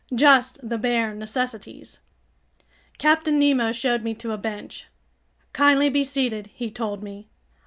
Just the bare necessities. Captain Nemo showed me to a bench. "Kindly be seated," he told me.